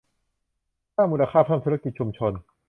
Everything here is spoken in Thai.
สร้างมูลค่าเพิ่มธุรกิจชุมชน